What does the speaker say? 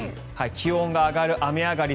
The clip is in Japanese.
気温が上がる、雨上がり。